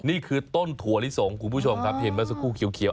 นี่คือต้นถั่วลิสงคุณผู้ชมครับเห็นเมื่อสักครู่เขียว